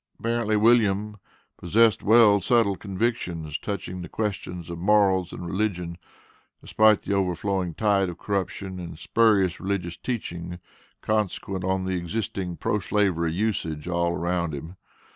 Apparently, William possessed well settled convictions, touching the questions of morals and religion, despite the overflowing tide of corruption and spurious religious teachings consequent on the existing pro slavery usages all around him.